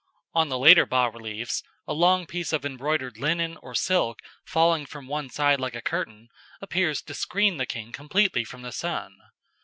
On the later bas reliefs, a long piece of embroidered linen or silk falling from one side like a curtain, appears to screen the king completely from the sun.